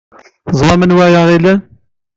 Teẓramt anwa ay aɣ-ilan.